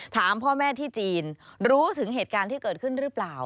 ถามพ่อแม่ที่จีนรู้ถึงเหตุการณ์ที่เกิดขึ้นหรือเปล่า